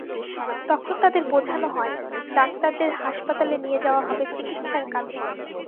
তখন তাদের বোঝানো হয়, ডাক্তারদের হাসপাতালে নিয়ে যাওয়া হবে চিকিৎসার কাজে।